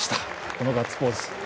このガッツポーズ。